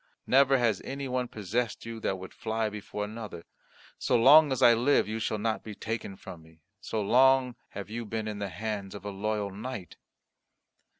Never has any one possessed you that would fly before another. So long as I live, you shall not be taken from me, so long have you been in the hands of a loyal knight."